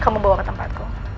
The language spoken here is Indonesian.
kamu bawa ke tempatku